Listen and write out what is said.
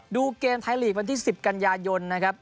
ดูเกมไทยลีกวันที่๑๐กันยายนนะครับ